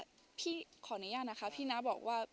พี่ขออนุญาตนะคะพี่น้าบอกว่า